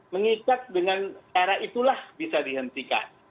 mengikat dengan cara itulah bisa dihentikan